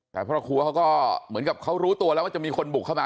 แต่พ่อครัวเขาก็เหมือนกับเขารู้ตัวแล้วว่าจะมีคนบุกเข้ามา